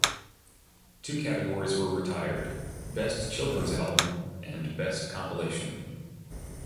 Two categories were retired 'Best Children's Album', and 'Best Compilation'.